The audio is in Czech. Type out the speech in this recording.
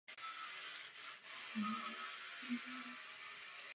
Zhruba do třiceti let působil jako člen Českého pěveckého sboru.